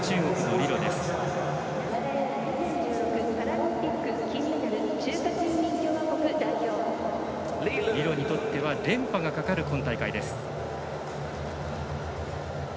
李露にとっては連覇がかかる今大会です。